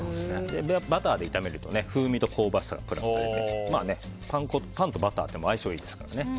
バターで炒めると風味と香ばしさがプラスされてパンとバターって相性がいいですからね。